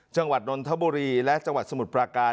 จังหวัดนนทบุรีและจังหวัดสมุทรปราการ